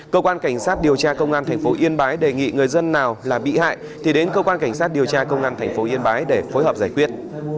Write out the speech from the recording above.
cơ quan cảnh sát điều tra công an tp yên bái đề nghị người dân nào là bị hại thì đến cơ quan cảnh sát điều tra công an tp yên bái để phối hợp giải quyết